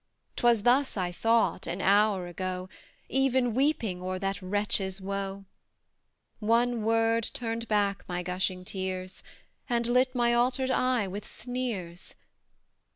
'Twas thus I thought, an hour ago, Even weeping o'er that wretch's woe; One word turned back my gushing tears, And lit my altered eye with sneers.